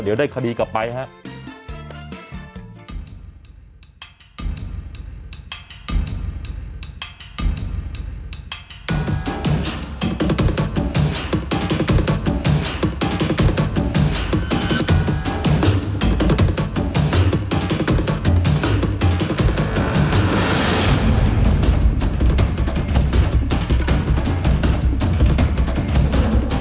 เดี๋ยวได้คดีกลับไปครับ